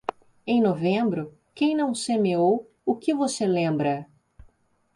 Em novembro, quem não semeou, o que você lembra?